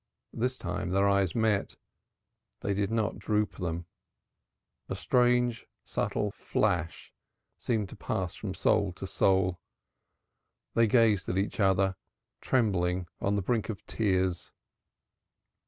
This time their eyes met. They did not droop them; a strange subtle flash seemed to pass from soul to soul. They gazed at each other, trembling on the brink of tears.